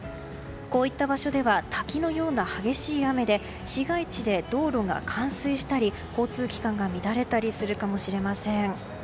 こういった場所では滝のような激しい雨で市街地で道路が冠水したり交通機関が乱れたりするかもしれません。